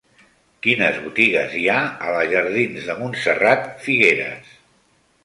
Quines botigues hi ha a la jardins de Montserrat Figueras?